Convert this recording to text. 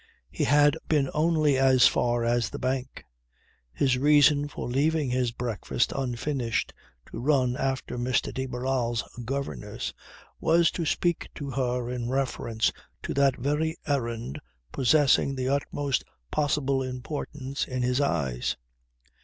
He had been only as far as the bank. His reason for leaving his breakfast unfinished to run after Miss de Barral's governess, was to speak to her in reference to that very errand possessing the utmost possible importance in his eyes.